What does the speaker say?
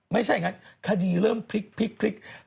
ไม่ใช่อย่างนั้นคดีเริ่มพลิก